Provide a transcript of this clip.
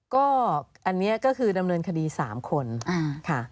ก็อันนี้ก็คือดำเนินคดี๓คนค่ะ